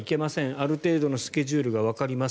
ある程度のスケジュールがわかります。